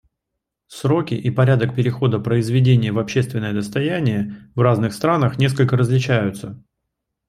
Сроки и порядок перехода произведения в общественное достояние в разных странах несколько различаются.